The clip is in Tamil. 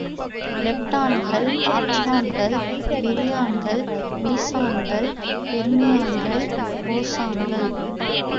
லெப்டான்கள், ஹாட்ரன்கள், பேரியன்கள், மீசான்கள், பெர்மியான்கள், போசன்கள்.